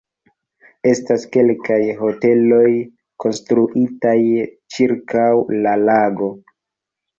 Estas kelkaj hoteloj konstruitaj ĉirkaŭ la lago.